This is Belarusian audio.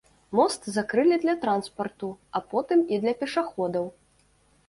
Мост закрылі для транспарту, а потым і для пешаходаў.